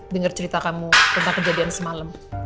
dengar cerita kamu tentang kejadian semalam